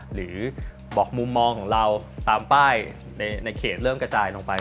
หรือบอกมุมมองของเราตามป้ายในเขตเริ่มกระจายลงไป